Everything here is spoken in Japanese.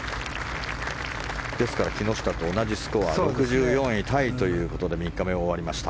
ですから、木下と同じスコア６４位タイということで３日目が終わりました。